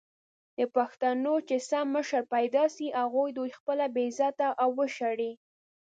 د پښتنو چې سم مشر پېدا سي هغه دوي خپله بې عزته او وشړي!